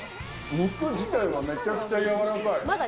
肉自体がめちゃくちゃ柔らかい。